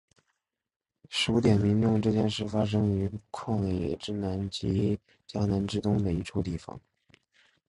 数点民众这件事发生于旷野之南及迦南之东的一处地方。